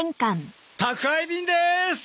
宅配便でーす！